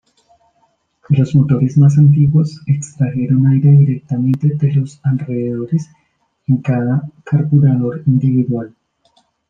Los motores más antiguos extrajeron aire directamente de los alrededores en cada carburador individual.